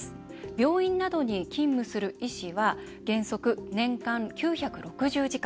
病院などに勤務する医師は原則年間９６０時間。